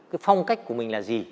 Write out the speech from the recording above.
cái phong cách của mình là gì